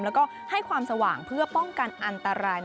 แล้วก็ให้ความสว่างเพื่อป้องกันอันตราย